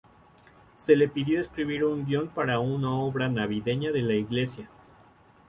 Se le pidió escribir un guion para una obra navideña de la iglesia.